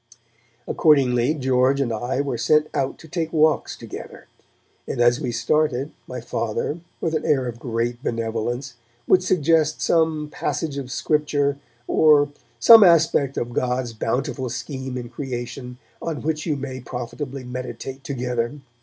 Accordingly George and I were sent out to take walks together, and as we started, my Father, with an air of great benevolence, would suggest some passage of Scripture, or 'some aspect of God's bountiful scheme in creation, on which you may profitably meditate together.'